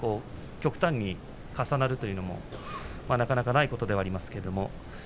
極端に重なるというのもなかなかないことではあります。